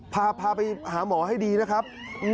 ครับโอ้โฮพาไปหาหมอให้ดีนะครับ